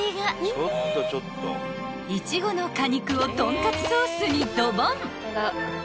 ［イチゴの果肉をトンカツソースにドボン！］